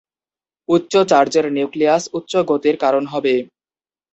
উচ্চ চার্জের নিউক্লিয়াস উচ্চ গতির কারণ হবে।